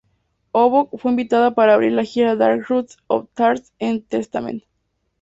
Havok fue invitada para abrir la gira "Dark Roots of Thrash" de Testament.